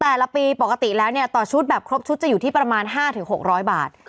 แต่ละปีปกติแล้วเนี่ยต่อชุดแบบครบชุดจะอยู่ที่ประมาณ๕๖๐๐บาท